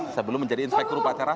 sebelum menjadi inspektur upacara